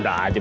tak tak tak